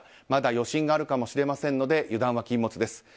まだ余震があるかもしれませんので油断は禁物です。